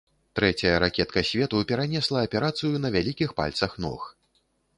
Трэцяя ракетка свету перанесла аперацыю на вялікіх пальцах ног.